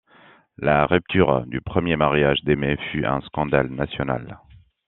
La rupture du premier mariage d'Aimée fut un scandale national.